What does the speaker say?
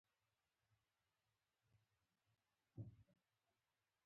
چار مغز د افغان ځوانانو د روښانه هیلو استازیتوب کوي.